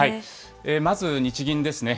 まず日銀ですね。